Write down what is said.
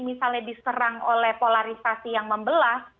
misalnya diserang oleh polarisasi yang membelah